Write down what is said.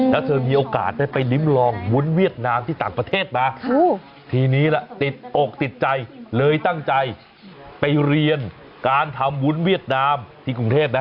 แล้วเธอมีโอกาสได้ไปลิ้มลองวุ้นเวียดนามที่ต่างประเทศมาทีนี้ล่ะติดอกติดใจเลยตั้งใจไปเรียนการทำวุ้นเวียดนามที่กรุงเทพนะ